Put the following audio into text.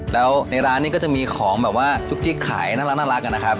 แล้วในร้านนี้ก็จะมีของแบบว่าจุ๊กจิ๊กขายน่ารักนะครับ